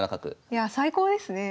いやあ最高ですね。